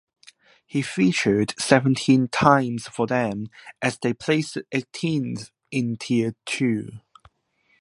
He featured seventeen times for them as they placed eighteenth in tier two.